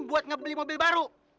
buat ngebeli mobil baru